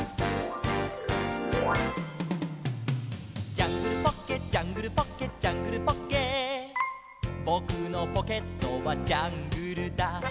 「ジャングルポッケジャングルポッケ」「ジャングルポッケ」「ぼくのポケットはジャングルだ」